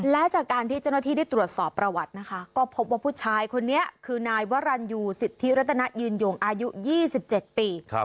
และจากการที่เจ้าหน้าที่ได้ตรวจสอบประวัตินะคะก็พบว่าผู้ชายคนนี้คือนายวรรณยูสิทธิรัตนยืนยงอายุ๒๗ปี